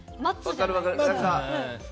分かる分かる。